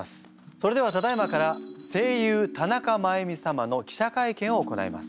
それではただいまから声優田中真弓様の記者会見を行います。